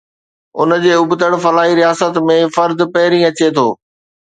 ان جي ابتڙ، فلاحي رياست ۾، فرد پهرين اچي ٿو.